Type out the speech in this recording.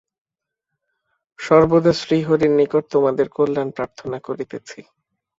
সর্বদা শ্রীহরির নিকট তোমাদের কল্যাণ প্রার্থনা করিতেছি।